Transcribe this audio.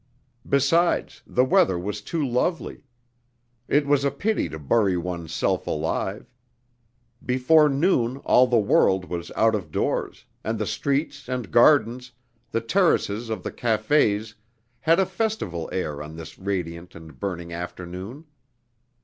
Besides, the weather was too lovely; it was a pity to bury one's self alive: before noon all the world was out of doors; and the streets and gardens, the terraces of the cafés had a festival air on this radiant and burning afternoon.